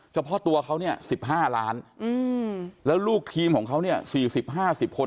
เฉพาะตัวเขาเนี่ย๑๕ล้านแล้วลูกทีมของเขาเนี่ย๔๐๕๐คน